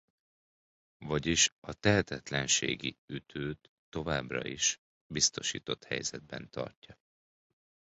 Vagyis a tehetetlenségi ütőt továbbra is biztosított helyzetben tartja.